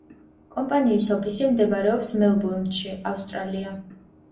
კომპანიის ოფისი მდებარეობს მელბურნში, ავსტრალია.